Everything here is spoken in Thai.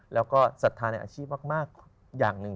แล้วก็ศรัทธาในอาชีพมากอย่างหนึ่ง